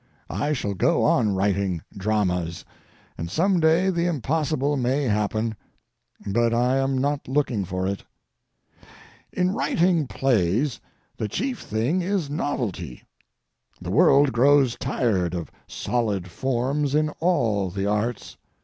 I shall go on writing dramas, and some day the impossible may happen, but I am not looking for it. In writing plays the chief thing is novelty. The world grows tired of solid forms in all the arts.